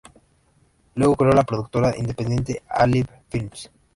Luego creó la productora independiente Alive Films.